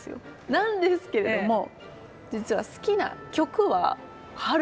なんですけれども実は好きな曲は春の曲が多くて。